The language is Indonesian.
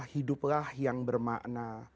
hiduplah yang bermakna